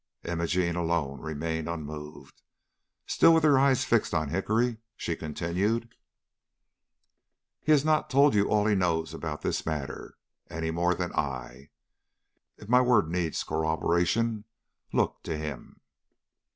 Imogene alone remained unmoved. Still with her eyes fixed on Hickory, she continued: "He has not told you all he knows about this matter, any more than I. If my word needs corroboration, look to him."